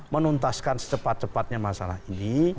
menuntaskan secepat cepatnya masalah ini